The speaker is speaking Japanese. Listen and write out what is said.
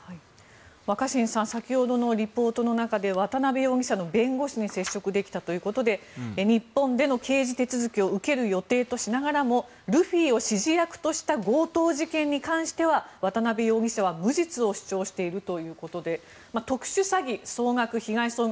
若新さん先ほどのリポートの中で渡邉容疑者の弁護士に接触できたということで日本での刑事手続きを受ける予定としながらもルフィを指示役とした強盗事件に関しては渡邉容疑者は無実を主張しているということで特殊詐欺、被害総額